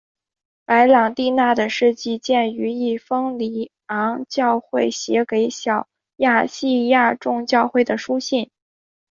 白郎弟娜的事迹见于一封里昂教会写给小亚细亚众教会的书信。